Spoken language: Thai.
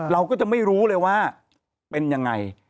เราก็จะไม่รู้เลยว่าเป็นยังไง